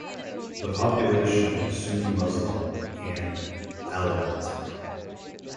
The population is Sunni Muslim and Alawite.